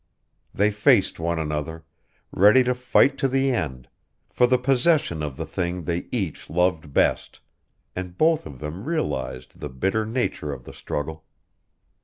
They faced one another, ready to fight to the end, for the possession of the thing they each loved best, and both of them realized the bitter nature of the struggle.